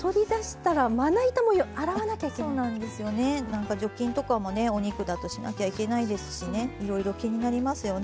何か除菌とかもねお肉だとしなきゃいけないですしねいろいろ気になりますよね。